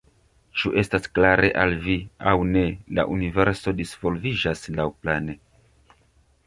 Ĉu estas klare al vi, aŭ ne, la universo disvolviĝas laŭplane.